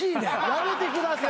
やめてください。